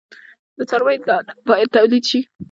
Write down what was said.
د څارویو دانه باید تولید شي.